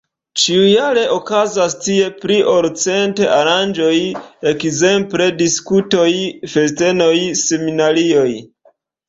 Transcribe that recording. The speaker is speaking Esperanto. Ĉiujare okazas tie pli ol cent aranĝoj, ekzemple diskutoj, festenoj, seminarioj.